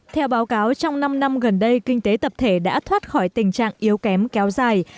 theo báo cáo trong năm năm gần đây kinh tế tập thể đã thoát khỏi tình trạng yếu kém kéo dài